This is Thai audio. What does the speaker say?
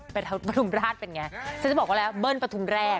เป็นภาพปฐุมราชเป็นไงฉันจะบอกว่าแล้วเบิ้ลปฐุมแรก